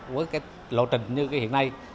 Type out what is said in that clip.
với lộ trình như hiện nay